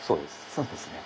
そうですね。